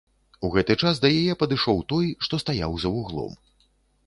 У гэты час да яе падышоў той, што стаяў за вуглом.